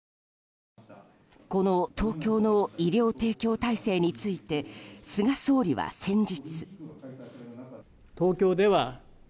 この東京の医療提供体制について菅総理は先日。